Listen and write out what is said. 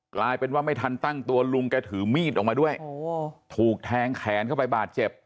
กลายเป็นว่าไม่ทันตั้งตัวลุงแกถือมีดออกมาด้วยถูกแทงแขนเข้าไปบาดเจ็บ